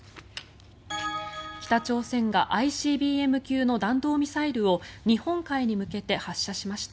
北朝鮮がＩＣＢＭ級の弾道ミサイルを日本海に向けて発射しました。